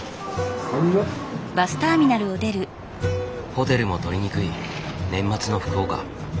ホテルも取りにくい年末の福岡。